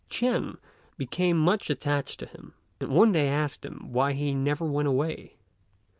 Ch'ên became much attached to him, and one day asked him why he never went away.